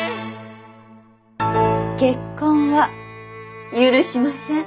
結婚は許しません。